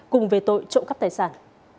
cùng về tội trộm cắp tài sản